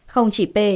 không chỉ p